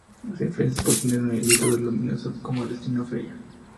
Se diferencia por tener en el indicador luminoso como destino "Feria".